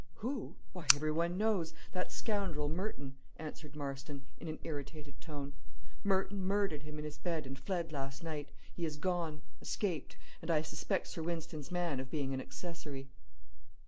"Who? Why, everyone knows! that scoundrel, Merton," answered Marston, in an irritated tone "Merton murdered him in his bed, and fled last night; he is gone escaped and I suspect Sir Wynston's man of being an accessory."